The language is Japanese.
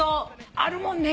あるもんね